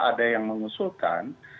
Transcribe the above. ada yang mengusulkan